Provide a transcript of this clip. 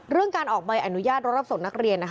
การออกใบอนุญาตรถรับส่งนักเรียน